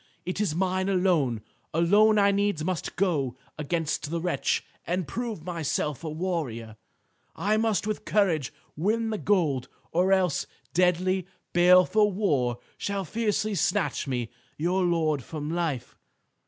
It is mine alone. Alone I needs must go against the wretch and prove myself a warrior. I must with courage win the gold, or else deadly, baleful war shall fiercely snatch me, your lord, from life."